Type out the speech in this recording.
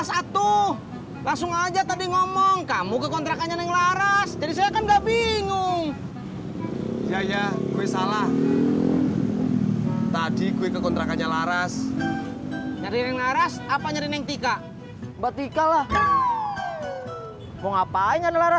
sampai jumpa di video selanjutnya